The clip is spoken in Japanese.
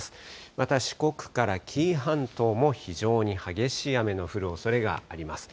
また四国から紀伊半島も、非常に激しい雨の降るおそれがあります。